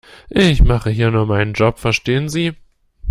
Ich mache hier nur meinen Job, verstehen Sie?